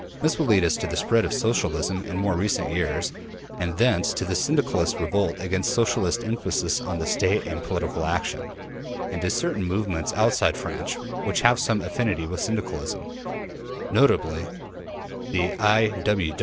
This will lead us to the spread of Socialism in more recent years, and thence to the Syndicalist revolt against Socialist emphasis on the State and political action, and to certain movements outside France which have some affinity with Syndicalism notably the I.